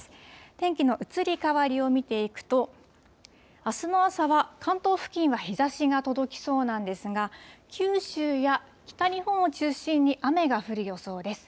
天気の移り変わりを見ていくと、あすの朝は関東付近は日ざしが届きそうなんですが、九州や北日本を中心に、雨が降る予想です。